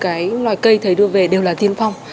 tất cả những loài cây thầy đưa về đều là tiên phong